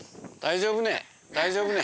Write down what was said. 大丈夫ね？